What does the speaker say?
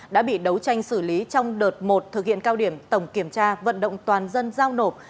đã bị đấu tranh xử lý trong đợt một thực hiện cao điểm tổng kiểm tra vận động toàn dân giao nộp